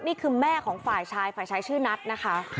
นี่คือแม่ของฝ่ายชายฝ่ายชายชื่อนัทนะคะ